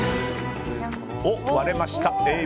割れました。